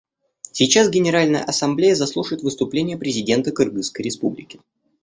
Сейчас Генеральная Ассамблея заслушает выступление президента Кыргызской Республики.